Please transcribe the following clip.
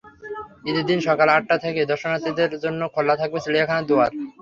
ঈদের দিন সকাল আটটা থেকেই দর্শনার্থীদের জন্য খোলা থাকবে চিড়িয়াখানার দুয়ার।